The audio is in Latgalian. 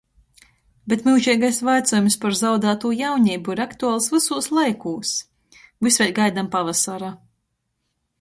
Bet myužeigais vaicuojums par zaudeitū jauneibu ir aktuals vysūs laikūs! Vys vēļ gaidam pavasara